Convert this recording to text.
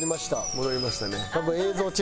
戻りましたね。